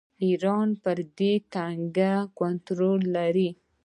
ایران پر دې تنګي کنټرول لري.